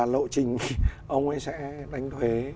bộ trình ông ấy sẽ đánh thuế